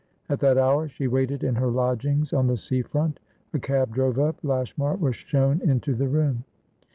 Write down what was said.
At that hour, she waited in her lodgings on the sea front. A cab drove up; Lashmar was shown into the room.